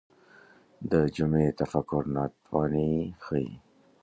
دا جمعي تفکر ناتواني ښيي